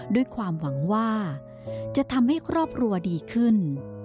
ด้วยความหวังว่าจะทำให้ครอบครัวดีขึ้น